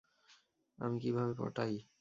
আমি কীভাবে পটাই?